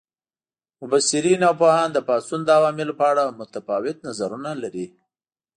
مبصرین او پوهان د پاڅون د عواملو په اړه متفاوت نظرونه لري.